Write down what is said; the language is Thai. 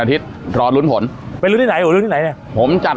รอลุ้นผลไปรู้ที่ไหนรู้ที่ไหนเนี่ยผมจัด